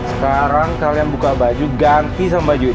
sekarang kalian buka baju ganti sama baju ini